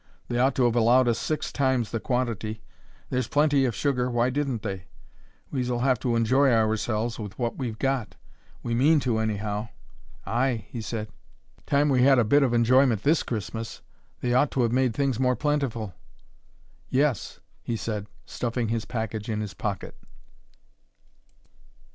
They ought to have allowed us six times the quantity there's plenty of sugar, why didn't they? We s'll have to enjoy ourselves with what we've got. We mean to, anyhow." "Ay," he said. "Time we had a bit of enjoyment, THIS Christmas. They ought to have made things more plentiful." "Yes," he said, stuffing his package in his pocket.